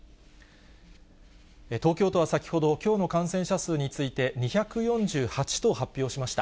東京都は先ほど、きょうの感染者数について２４８と発表しました。